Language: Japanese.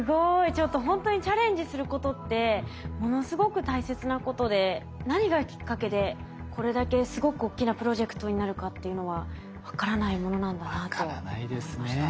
ちょっとほんとにチャレンジすることってものすごく大切なことで何がきっかけでこれだけすごく大きなプロジェクトになるかっていうのは分からないものなんだなと思いました。